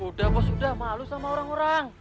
udah bos sudah malu sama orang orang